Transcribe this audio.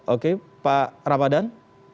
oke pak ramadhan